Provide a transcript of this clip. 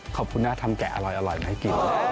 ขอบคุณนะทำแกะอร่อยมาให้กิน